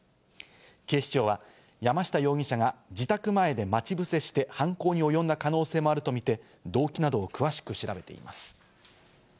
警視庁は山下容疑者が自宅前で待ち伏せして犯行におよんだ可能性もあるとみて動機などを詳しく調べています。